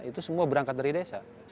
itu semua berangkat dari desa